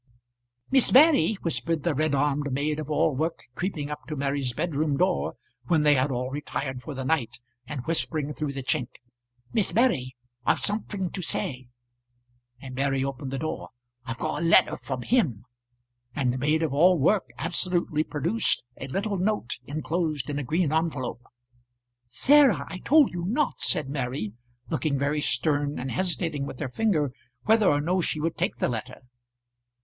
"Miss Mary," whispered the red armed maid of all work, creeping up to Mary's bedroom door, when they had all retired for the night, and whispering through the chink. "Miss Mary. I've somethink to say." And Mary opened the door. "I've got a letter from him;" and the maid of all work absolutely produced a little note enclosed in a green envelope. "Sarah, I told you not," said Mary, looking very stern and hesitating with her finger whether or no she would take the letter.